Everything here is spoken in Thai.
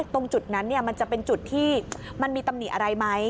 ตรงจุดนั้นมันจะเป็นจุดที่มันมีตำหนิอะไรไหม